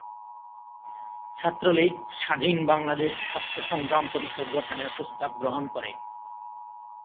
ছাত্রলীগ ‘স্বাধীন বাংলাদেশ ছাত্র সংগ্রাম পরিষদ’ গঠনের প্রস্তাব গ্রহণ করে।